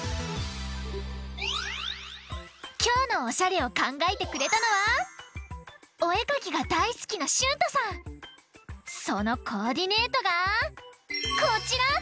きょうのおしゃれをかんがえてくれたのはおえかきがだいすきなそのコーディネートがこちら！